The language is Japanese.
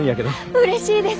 うれしいです。